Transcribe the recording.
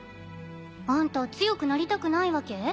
アンタ強くなりたくないわけ？